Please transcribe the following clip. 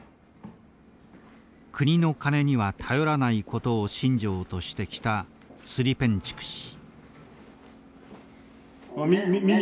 国の金には頼らないことを信条としてきたスリペンチュク氏。